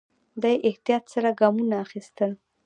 دی احتیاط سره ګامونه اخيستل.